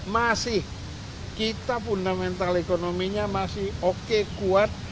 masih kita fundamental ekonominya masih oke kuat